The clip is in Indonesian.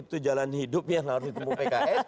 itu jalan hidup yang harus ditempu pks